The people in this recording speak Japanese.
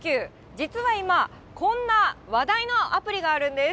実は今、こんな話題のアプリがあるんです。